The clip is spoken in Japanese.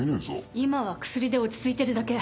今は薬で落ち着いてるだけ。